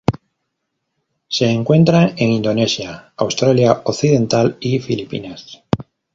Se encuentran en Indonesia, Australia Occidental y Filipinas.